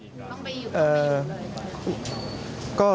ต้องไปอยู่ก่อนเลย